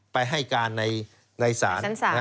ไปให้การในศาล